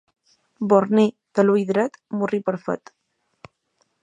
Borni de l'ull dret, murri perfet.